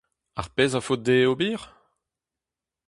Ar pezh a faot dezhe ober ?